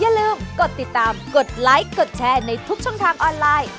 อย่าลืมกดติดตามกดไลค์กดแชร์ในทุกช่องทางออนไลน์